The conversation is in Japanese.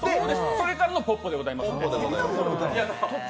それからのぽっぽでございます。